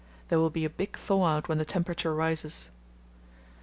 There will be a big thaw out when the temperature rises.